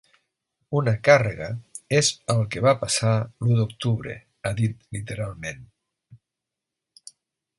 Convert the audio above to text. Una càrrega és el que va passar l’u d’octubre, ha dit literalment.